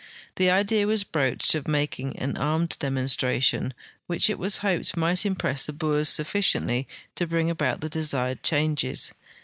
The idea was broached of making an armed demonstration, which it Avas hoped might impress the Boers sufficiently to bring about the desired changes.